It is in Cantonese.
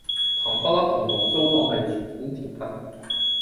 糖不甩同龍鬚糖係傳統甜品